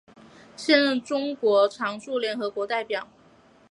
现任中国常驻联合国代表。